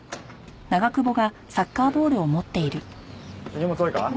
荷物多いか？